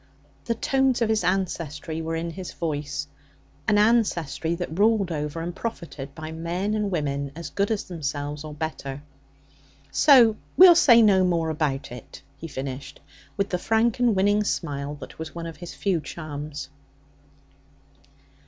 The tones of his ancestry were in his voice an ancestry that ruled over and profited by men and women as good as themselves, or better. 'So we'll say no more about it,' he finished, with the frank and winning smile that was one of his few charms.